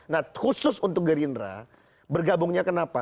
nah khusus untuk gerindra bergabungnya kenapa